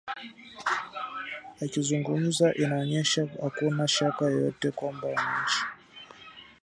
akizungumza inaonyesha hakuna shaka yoyote kwamba wananchi